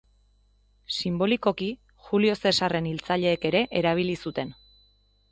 Sinbolikoki, Julio Zesarren hiltzaileek ere erabili zuten.